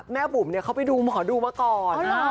บุ๋มเขาไปดูหมอดูมาก่อน